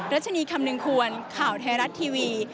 รัชนีคำนึงควรข่าวไทยรัฐทีวี